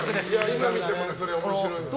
今見ても面白いですね。